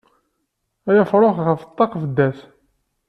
Ay afrux ɣef ṭṭaq bedd-as.